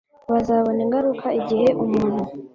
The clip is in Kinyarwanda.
bazabona ingaruka igihe umuntu